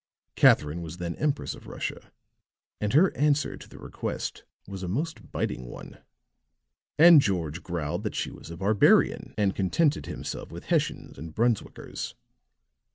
Catherine was then Empress of Russia; and her answer to the request was a most biting one. And George growled that she was a barbarian and contented himself with Hessians and Brunswickers.